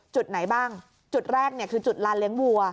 จุดไหนบ้างจุดแรกเนี่ยคือจุดลานเลี้ยงวัว